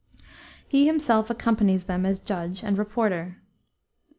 He himself accompanies them as judge and "reporter."